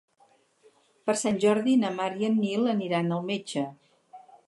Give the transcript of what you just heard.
Per Sant Jordi na Mar i en Nil aniran al metge.